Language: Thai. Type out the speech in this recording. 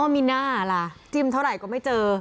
อ๋อมีน่าร่าจิ้มเท่าไหร่ก็ไม่เจอ